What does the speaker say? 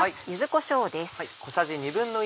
柚子こしょうです。